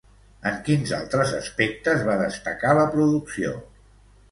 En quins altres aspectes va destacar la producció?